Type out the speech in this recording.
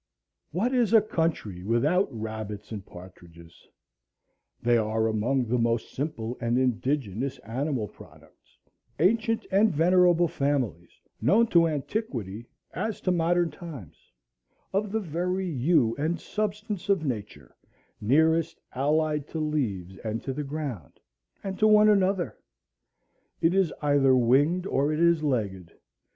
What is a country without rabbits and partridges? They are among the most simple and indigenous animal products; ancient and venerable families known to antiquity as to modern times; of the very hue and substance of Nature, nearest allied to leaves and to the ground,—and to one another; it is either winged or it is legged.